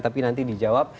tapi nanti dijawab